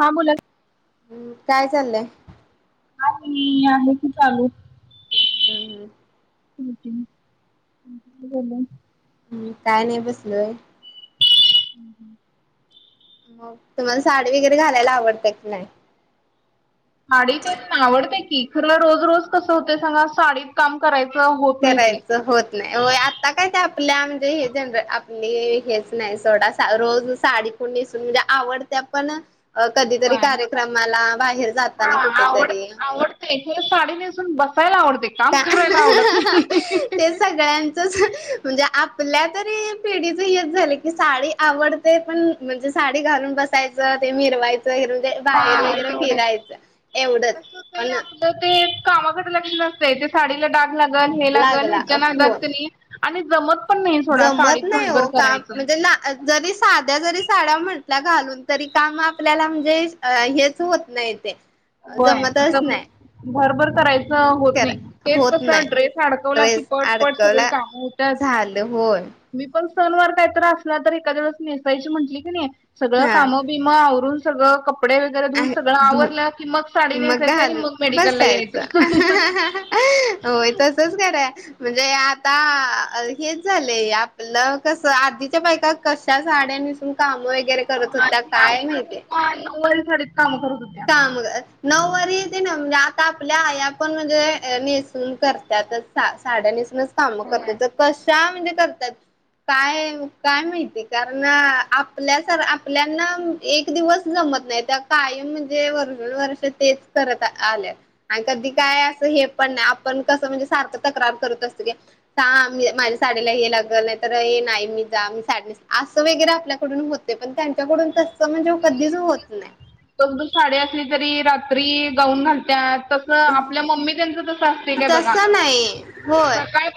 हां बोला हम्म काय चाललंय? काय नाही, आहे की चालू. हम्म हम्म [inaudible] हम्म, काय नाही बसलोय. मग तुम्हाला साडी वगैरे घालायला आवडतय की नाही? साडी तेन आवडतय की, खरं रोज रोज कसं होतय सांगा? साडीत काम करायचं होत नाही ते. करायचं होत नाही होय आता काय ते आपल्या म्हणजे हे जनरे आपली हेच नाही सोडा, रोज साडी नेसुन म्हणजे आवडत्या पण अं कधीतरी होय. कार्यक्रमाला, बाहेर जाताना कुठेतरी ते साडी नेसून बसायला आवडतय काम का करायला आवडत नाही. तसं म्हणजे आपल्या तरी पिढीच हेच झालं की, साडी आवड ते पण म्हणजे साडी घालून बसायचं, ते मिरवायचं हे रून ते बाहेर हा वगैरे एवढे फिरायचं एवढंच पण तर ते कामाकडे लक्ष नसतय ते साडीला डाग लागल हे लागल लागला हेच्या नादात हो क नाही. आणि जमत. पण नाही सोडा जमत साडीत नाही ओ भरभर काम करायचं. म्हणजे ना. जरी साध्या जरी साड्या म्हटला घालून तरी काम आपल्याला म्हणजे हेच होत नाहीत. ते, होय जमतच जम नाही भरभर करायचं. तसं होत खर नाही तेच होत कस नाही ड्रेस अडकवला की ड्रेस पट पट सगळी अडकवला काम होतात. झालं होय ''मी पण सण वार काहीत असला तर एखादेळेस नेसायची म्हटली की, नाही सगळं हा काम बिम. मग आवरून सगळं कपडे वगैरे धुन सगळ आवरलं. कि, मग सााडी मग नेसायचं आणि मग घालून मेडिकलला बसायचं यायचं. होय तसच करा. म्हणजे आता हेच झालंय आपलं कस आधीच्या बायका. कशा साड्या नेसून काम वगैरे. करत होत्या काय आधीच्या माहितीय बायका नौवारी साडी नेसून काम करत होत्या. मग नऊवारीेत ना म्हणजे आता आपल्या आई पण म्हणजे नेसून करतात. सा साड्यानीसूनच काम करत होय. तर कशा म्हणजे करतात. काय काय माहिती कारण आपल्यासार आपल्याना एक दिवस जमत नाहीत. त्या कायम म्हणजे वर्षानवर्ष तेच करत आले आणि कधी काय अस हे, पण आपण कसं म्हणजे सारखं तक्रार करत असत कि, थांब माझ्या साडीयला हे लागल नाही तर हे नाही मी जा मी साड असं वगैरे आपल्याकडून होत. ते पण त्यांच्याकडून तस म्हणजे कधीच होत नाही. कोण कोण साडे असली तरी रात्री गाऊन घालत्यात. च आपल्या मम्मी त्यांच तस असते काय बघा तसं नाही होय. सकाळी.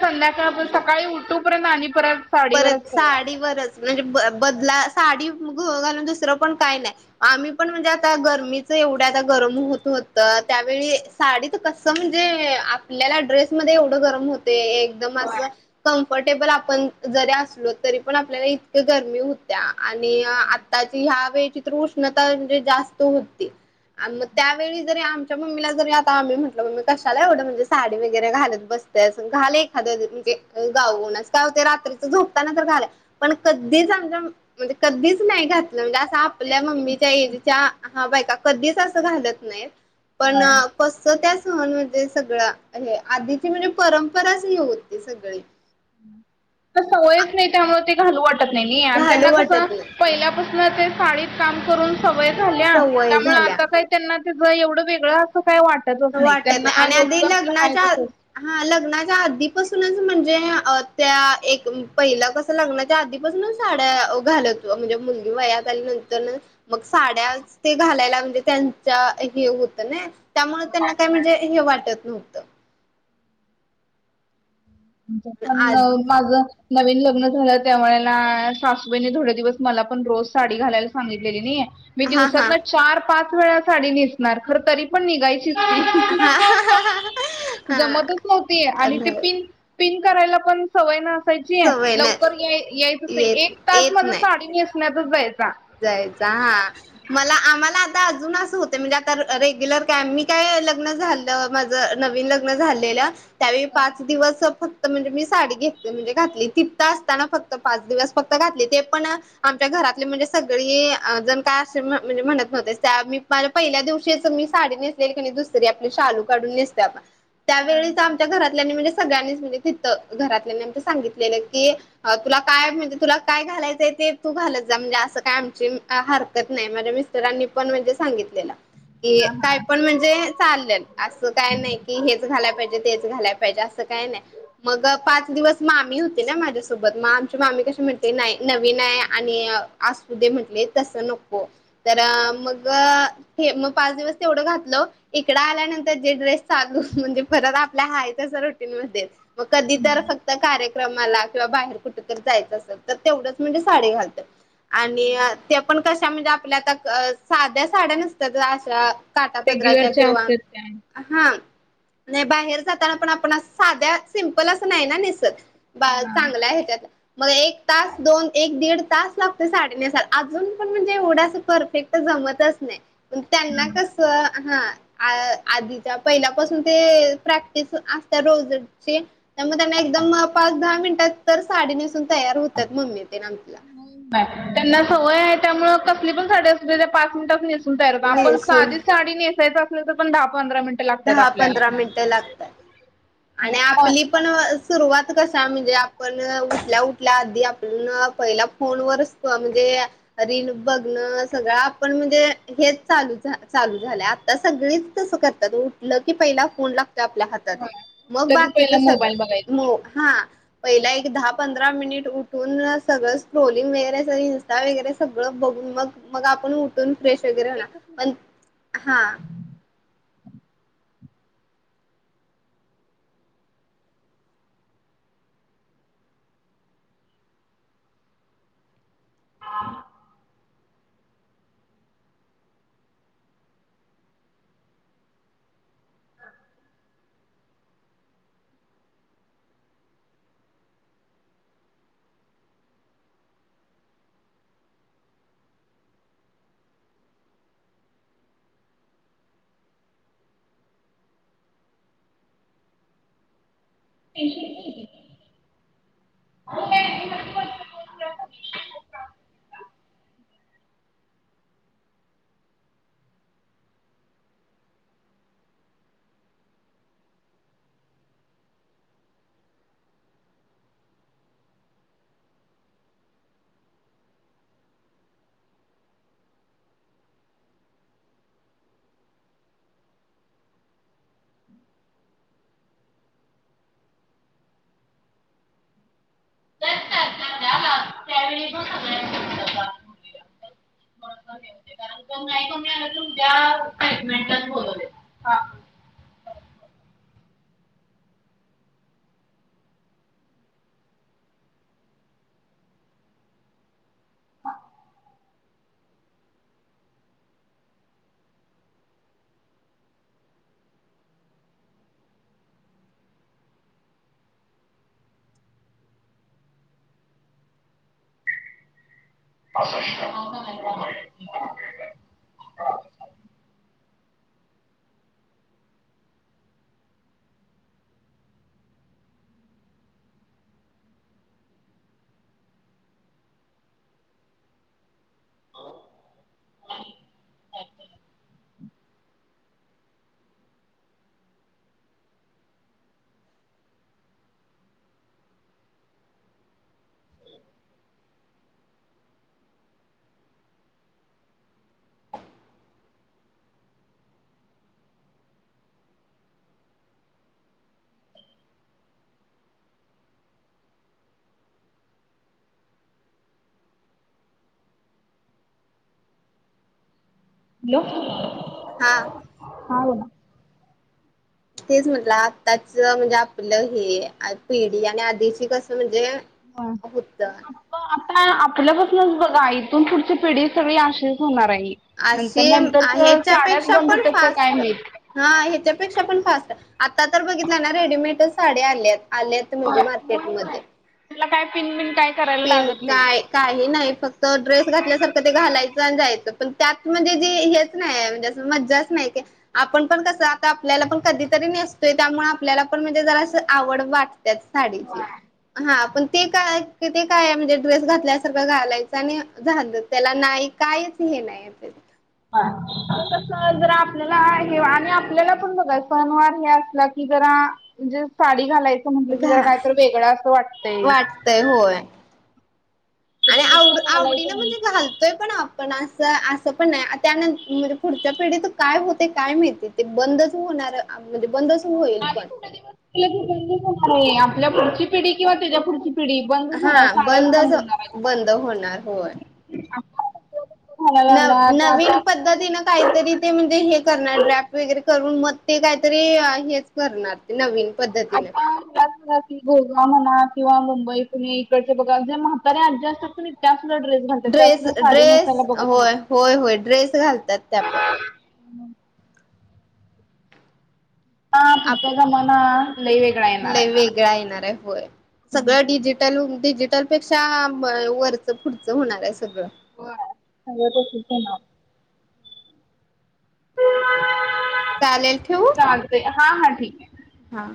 संध्याकाळण सकाळी उठूपर्यंत आणि परत. परत साडीवरच सगळं साडीवरच म्हणजे ब बदला साडी घालून दुसरं पण काय नाही. आम्ही पण म्हणजे आता गरमीच एवढ्या आता गरम होत होत त्यावेळी. साडी कसं म्हणजे आपल्याला ड्रेसमध्ये एवढं गरम होत. ते एकदम होय. असं कम्फर्टेबल आपण. जरी असलो तरी पण आपल्याला इतक्या गरमी होत्या आणि आताची ह्या वेळची. तर उष्णता म्हणजे जास्त होती आणि मग त्यावेळी जरी आम्ही. च्या मम्मीला जरी आता आम्ही म्हटलं मम्मी कशाला एवढं म्हणजे साडी वगरे घलत बसते अस घाल एखाद्या ज म्हणजे. गावणच काय होतंय रात्री. झोताना पण घालायचं कधीच आम म्हणजे कधीच नाही घात ''--'' म्हणजे असं आपल्या मम्मीच्या एजच्या हा बायका कधीच असं घालत नाही. पण कस त्या सहणमध्ये सगळा हे आधीची म्हणजे परंपराच होती सगळी. त सवयच नाही त्यामुळे ते घालू वाटत नाही नाही आणि त्यांना घालू कसं. वाटत नाही पहिल्यापासून ते साडीत काम करून सवय झाल्या सवय त्यामुळे झाल्या. आता काही. त्यांना त्याच एवढं वेगळं असं काही वाटतच नाही वाटत त्यांना आणि रोज आधी आपलं हाय लग्नाच्या तस. हा लग्नाच्या आधीपासूनच म्हणजे त्या एक पहिलं कस. लग्नाच्या आधीपासूनच साड्या घालत म्हणजे मुलगी वयात आली नंतर. मग साड्या ते घालायला म्हणजे त्यांच्या हे होतं नाय त्यामुळे. त्यांना होय. काय म्हणजे हे वाटत नव्हतं. पण आधी माझ. नवीन लग्न झालं त्यावेळेला सासूबाईने थोडे्या दिवस मला पण रोज साडी घालायला सांगितलेली नये. मी हा हा दिवसातन चार पाच वेळा साडी नेसणार, खर तरी पण निघायच चीच, हा जमतच नव्हती आणि ते हा पिन पिन करायला पण सवय नसायची, सवय लवकर नाही याय यायच तर, येत एक तास येत माझा नाही साडी नेसण्यातच जायचा. जायचा हा. मला आम्हाला, आता अजून असं होत. म्हणजे, आता रेग्युलर काय, मी काय लग्न झाल माझ नवीन लग्न झालेलं. त्यावेळी पाच दिवस फक् म्हणजे, मी साडी घेतली म्हणजे, घातली. तिथ असताना फक्त पाच दिवस फक्त घातली. ते पण आमच्या घरातले म्हणजे सगळी जण काय अस म्हणजे, म्हणत नव्हते, त्या मी माझ्या पहिल्या दिवशी मी साडी ने सलेली का नाय, दुसरी आपले शालू काढून नेसतो, आपण हा त्यावेळी आम च्या घरातल्यानी म्हणजे, सगळ्यांनीच म्हणजे तिथं, घरातल्यानी सांगितलेलं की, अं तुला काय म्हणजे, तुला काय घालायचंय, ते तू घालत जा म्हणजे, असं काय आमची हरकत नाही, माझ्या मिस्टरांनी पण म्हणजे सांगितलेलं. ए, काय पण म्हणजे! चाललं, असं काय नाही की, हेच घालायला पाहिजे तेच घालायला पाहिजे, असं काय नाही. मग पाच दिवस मामी होती ना, माझ्यासोबत मग आमची मामी कशी म्हणते नाही. नवीन आहे. आणि असू दे म्हटले, तस नको तर मग हे, मग पाच दिवस तेवढं घातलं इकड आल्यानंतर जे ड्रेस चालू म्हणजे, परत आपल्या हाय तस रुटीनमध्ये मग कधी तर फक्त कार्य क्रमाला किंवा बाहेर कुठेतरी जायचं असेल तर, तेवढंच म्हणजे साडी घालतात. आणि ते पण कशा म्हणजे आपल्या आता साध्या साड्या नसतात अशा काटा पदराच्या रेग्युलरच्या किंवा असतात त्या हा, नाही बाहेर जाताना पण, आपण असं साध्या सिम्पल असं नाही, ना नेसतं बा हा चांगल्या हेच्यात, मग एक तास दोन, एक दीड तास लागतो साडी नेसायला. अजून पण म्हणजे, एवढं असं परफेक्ट जमतच नाही. त्यांना कसं हा, आधीच्या पहिल्यापासून ते प्रॅक्टिस असत्या रोजचे त्या, मग त्यांना एकदम पाच दहा मिनिटातं तर साडी नेसून तयार होतात. मम्मी तेन आमची त्यांना सवय आहे. त्यामुळे कसली पण साडी असू द्या. त्या पाच मिनिटात नेसून तयार होतात. आपण नेसून साधी साडी नेसायचं असल, तर पण दहा पंधरा मिनिट दहा पंधरा मिनटं लागतात. आणि हं. आपली पण अ स सुरुवात कसा म्हणजे, आपण उठल्या, उठल्या आधी आपण पहिल्या फोनवर म्हणजे रिलस बघणं, सगळं आपण म्हणजे, हेच चालू झालंय आता सगळीच तस कर तात. उठलं की पहिला फोन ला आपल्या हातात, मग लगे बाकीच पहिला मोबाईल सगळं बघायचा मग हा पहिला एक दहा पंधरा मिनिट उठून सगळं स्टोरी वगैरे, इन्स्टा वगैरे, सगळं बघून मग मग, आपण उठून फ्रेश वगैरे होणार एकच मिनिट पण तेच हा [unintelligible] तर [unintelligible] का? थोडंसं हे होते, नाही कमी आलं, तर उद्या हजबंड ला बोलवलं. [unintelligible] हा हॅलो [unintelligible] तेच म्हटलं, आताच म्हणजे, आपलं हे पिढी आणि आधीची कसं म्हणजे [unintelligible] होत हो आता आपल्यापासूनच बघा. इथून पुढची पिढी सगळी अशीच होणार आहे. नंतर अशी नंतर त शाळाच ह्याच्यापेक्षा बंद पण होतात का काय फास्ट माहीत? हा. ह्याच्यापेक्षा पण फास्ट ए. आत्ता तर बघितलं ना रेडीमेडच साड्या आल्या आहेत. आल्यात म्हणजे मार्केटमध्ये. तुला काय पिन बिन काय? करायला पिन लागत नाही काय? काही नाही. फक्त ड्रेस घातल्यासारखं ते घालायचं आणि जायचं. पण त्यात म्हणजे जे हेच- नाही. म्हणजे अस मज्जाच नाही ते. आपण पण कसं? आता आपल्याला पण कधीतरी नेसतोय. त्यामुळे आपल्याला पण म्हणजे जरा आवड वाटतेच. साडीची. हा. पण ते काय- त ते काय म्हणजे ड्रेस घातल्यासारखं घालायच आणि झाल. त्याला नाही काहीच हे नाही. कायमचेच. पाणी चा आवाज आहे ते कस जरा आपल्याला हे. आणि आपल्याला पण बघा सणवार हे असला की जरा- म्हणजे साडी घालायचं म्हटलं की, जरा घा काय तर वेगळं असं वाटतंय. वाटतय होय आणि आवड त्यानुसार आवडी न घालायचं म्हणजे घाल- -तोय पण आपण अस. असं पण नाही त्यान म्हणजे, पुढच्या पिढीच काय होतय काय माहिती? ते बंदच होणार म्हणजे बंद- [inaudible] आपल्या पुढची पिढी किंवा त्याच्या पुढची पिढी. बंदच होणार. हा साड्याच बंद बंदच होणारयेत. बंद होणार होय [unintelligible] लागला आता आता. का तिन काहीतरी ते म्हणजे हे करणार. ड्रॅफ्ट वगैरे करून मग ते काहीतरी हेच- करणार ते नवीन पद्धतीने. आता त्याच बघा गोवा म्हणा किंवा मुंबई, पुुणे इकडचे बघा. जे म्हाताऱ्या आज्या असतात की नाही त्या सुद्धा ड्रेस- घालतात. त्या ड्रेस सुद्धा साडी नेसायला ड्रेस बघत नाहीत. होय होय. होय. ड्रेस घालतात त्या पण. हा पुढचा जमाना लई वेग- लई वेगळा येणार ए. होय. सगळ डिजिट- -टल होऊन डिजिटल पेक्षा वरचं, पुढचं होणार आहे सगळं. होय, सगळं तसच होणार. चालेल. ठेवू? चालतय. हा. हा. ठीक आहे. हा.